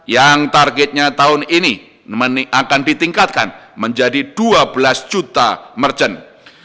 yang targetnya tahun ini akan ditingkatkan menjadi dua belas juta merchant